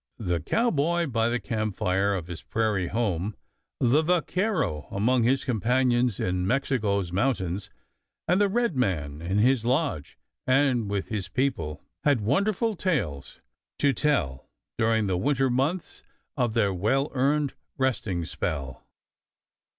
The cowboy by the camp fire of his prairie home, the vacquero among his companions in Mexico's mountains, and the red man in his lodge and with his people, had wonderful tales to tell during the winter nights of their well earned resting spell.